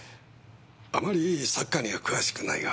あまりサッカーには詳しくないが。